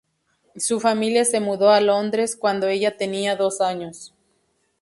Su familia se mudó a Londres cuando ella tenía dos años.